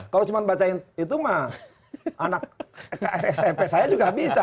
kalau cuma bacain itu mah anak smp saya juga bisa